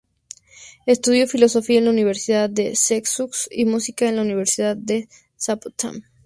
Estudió filosofía en la Universidad de Sussex y música en la Universidad de Southampton.